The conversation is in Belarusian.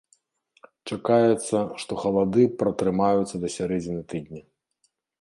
Чакаецца, што халады пратрымаюцца да сярэдзіны тыдня.